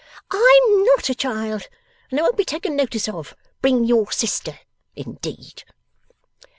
'I'm not a child, and I won't be taken notice of. "Bring your sister," indeed!